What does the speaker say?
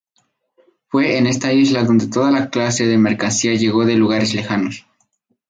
Fue en esta isla donde toda clase de mercancía llegó de lugares lejanos.